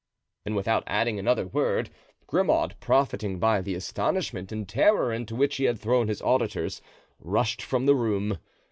And without adding another word, Grimaud, profiting by the astonishment and terror into which he had thrown his auditors, rushed from the room.